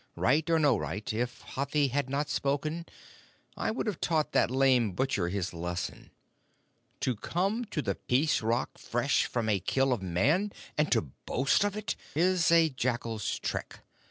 Right or no right, if Hathi had not spoken I would have taught that lame butcher his lesson. To come to the Peace Rock fresh from a kill of Man and to boast of it is a jackal's trick.